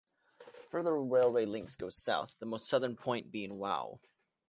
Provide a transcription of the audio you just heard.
Further railway links go south, the most southern point being Wau.